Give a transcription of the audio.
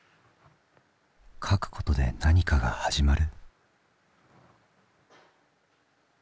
書くことで何かが始まる？